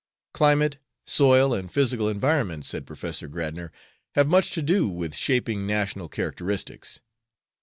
"Climate, soil, and physical environments," said Professor Gradnor, "have much to do with shaping national characteristics.